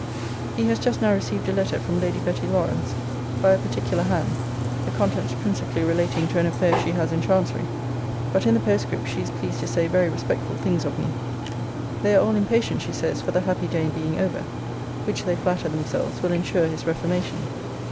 He has just now received a letter from Lady Betty Lawrance, by a particular hand; the contents principally relating to an affair she has in chancery. But in the postscript she is pleased to say very respectful things of me. They are all impatient, she says, for the happy day being over; which they flatter themselves will ensure his reformation.